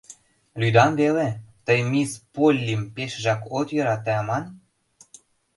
— Лӱдам веле, тый мисс Поллим пешыжак от йӧрате аман?